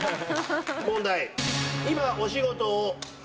問題。